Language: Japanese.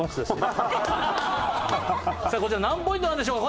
こちら何ポイントなんでしょう？